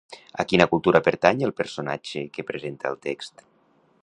A quina cultura pertany el personatge que presenta el text?